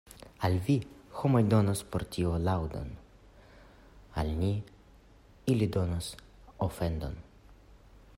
Al vi la homoj donos por tio laŭdon, al ni ili donos ofendon.